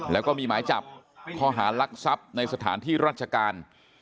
แล้วก็มีหมายจับข้อหารักทรัพย์ในสถานที่ราชการ